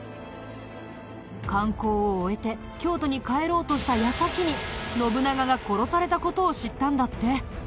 観光を終えて京都に帰ろうとした矢先に信長が殺された事を知ったんだって。